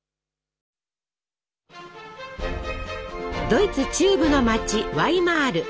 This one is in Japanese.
ドイツ中部の街ワイマール。